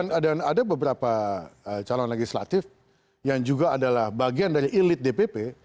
ada beberapa calon legislatif yang juga adalah bagian dari elit dpp